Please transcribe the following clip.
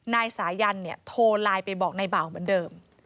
นายสายันโทรไลน์ไปบอกนายบ่าวเหมือนเดิม